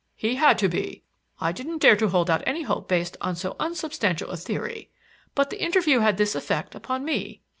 "He had to be. I didn't dare to hold out any hope based on so unsubstantial a theory. But the interview had this effect upon me.